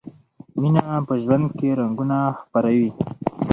مینه په ژوند کې رنګونه خپروي.